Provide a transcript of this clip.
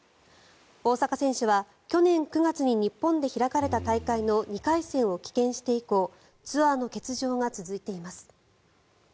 大坂選手は去年９月に日本で開かれた大会の２回戦を棄権して以降ツアーの欠場が続いています。